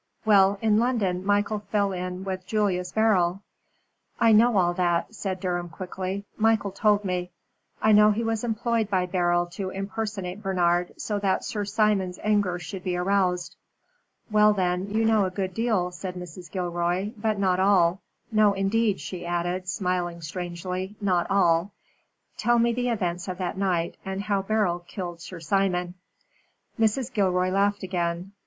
Well, in London Michael fell in with Julius Beryl " "I know all that," said Durham, quickly. "Michael told me. I know he was employed by Beryl to impersonate Bernard so that Sir Simon's anger should be aroused." "Well, then, you know a good deal," said Mrs. Gilroy, "but not all. No, indeed," she added, smiling strangely, "not all." "Tell me the events of that night, and how Beryl killed Sir Simon." Mrs. Gilroy laughed again.